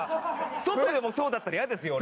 外でもそうだったら嫌ですよ俺。